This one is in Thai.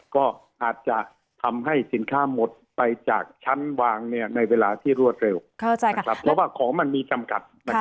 ก็อาจจะทำให้สินค้าหมดไปจากชั้นวางในเวลาที่รวดเร็วเพราะว่าของมันมีจำกัด